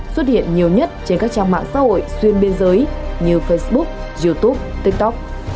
xuất hiện nhiều nhất trên các trang mạng xã hội xuyên biên giới như facebook youtube tiktok